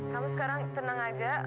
kamu sekarang tenang aja